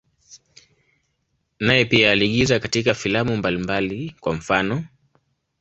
Naye pia aliigiza katika filamu mbalimbali, kwa mfano.